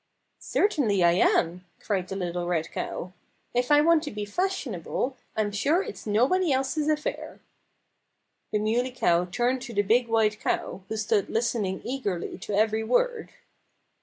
"Certainly I am!" cried the little red cow. "If I want to be fashionable I'm sure it's nobody else's affair." The Muley Cow turned to the big white cow, who stood listening eagerly to every word.